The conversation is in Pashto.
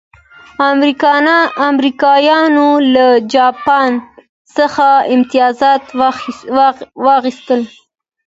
امریکایانو له جاپان څخه امتیازات وغوښتل.